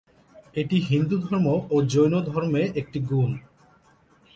এটি হিন্দুধর্ম ও জৈনধর্মে একটি গুণ।